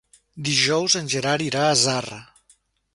Dijous en Gerard irà a Zarra.